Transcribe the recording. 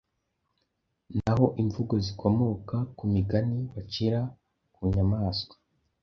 Naho imvugo zikomoka ku migani bacira ku nyamaswa,